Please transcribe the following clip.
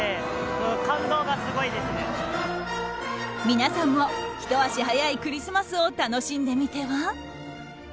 皆さんもひと足早いクリスマスを楽しんでみては？